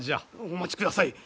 お待ちください。